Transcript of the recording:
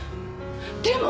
でも！